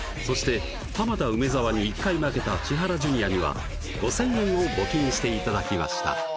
そして浜田梅沢に１回負けた千原ジュニアには５０００円を募金していただきました